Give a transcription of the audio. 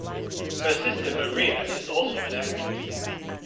Her sister Maria is also an actress.